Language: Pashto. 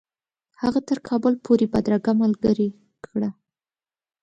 هغه تر کابل پوري بدرګه ملګرې کړي.